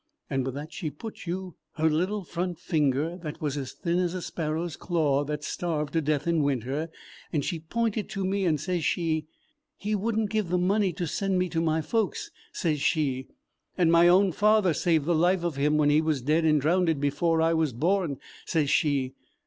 And with that she put you her little front finger, that was as thin as a sparrow's claw that's starved to death in winter, and she pointed to me, and sez she: 'He would n't give the money to send me to my folks,' sez she; 'and my own father saved the life of him when he was dead and drownded before I was born,' sez she.